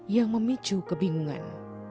yang memicu kebingungan